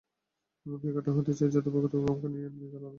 এমন ক্রিকেটার হতে চেয়েছি, যাতে প্রতিপক্ষ আমাকে নিয়ে আলাদা করে ভাবে।